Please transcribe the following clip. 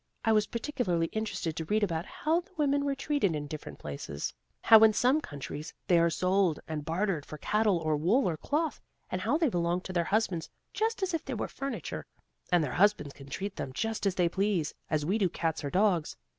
I was particularly interested to read about how the women were treated in different places; how in some countries they are sold and bartered for cattle or wool or cloth, and how they belong to their husbands just as if they were furniture, and their husbands can treat them just as they please, as we do cats or dogs.